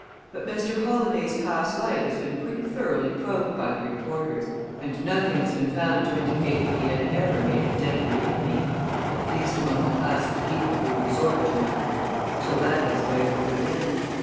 But Mr. Holladay's past life has been pretty thoroughly probed by the reporters, and nothing has been found to indicate that he had ever made a deadly enemy, at least among the class of people who resort to murder so that does away with revenge.